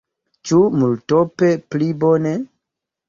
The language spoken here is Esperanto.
Ĉu multope pli bone?